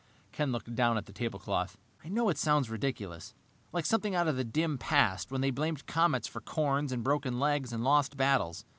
Ken looked down at the tablecloth. "I know it sounds ridiculous, like something out of the dim past, when they blamed comets for corns, and broken legs, and lost battles.